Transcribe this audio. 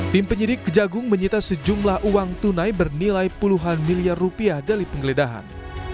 tim penyidik kejagung menyita sejumlah uang tunai bernilai puluhan miliar rupiah dari penggeledahan